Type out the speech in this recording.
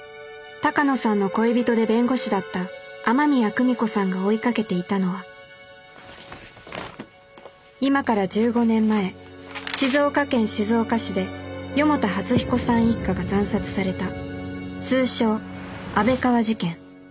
鷹野さんの恋人で弁護士だった雨宮久美子さんが追いかけていたのは今から１５年前静岡県静岡市で四方田初彦さん一家が惨殺された通称安倍川事件。